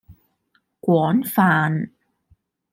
廣泛